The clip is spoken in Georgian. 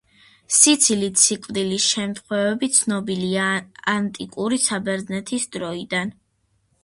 სიცილით სიკვდილის შემთხვევები ცნობილია ანტიკური საბერძნეთის დროიდან.